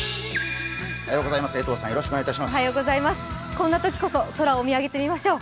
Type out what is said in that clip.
こんなときこそ、空を見上げてみましょう。